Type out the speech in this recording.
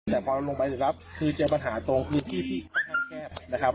แต่พอลงไปเสียครับคือเจอปัญหาตรงคือที่นะครับ